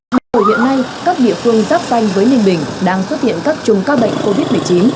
từ hiện nay các địa phương giáp danh với ninh bình đang xuất hiện các chung các bệnh covid một mươi chín